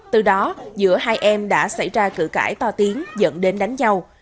từ đó giữa hai em đã xảy ra cử cãi to tiếng dẫn đến đánh nhau